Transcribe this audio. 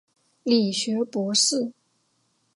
理学博士。